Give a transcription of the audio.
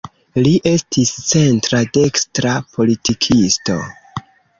Li estis centra-dekstra politikisto.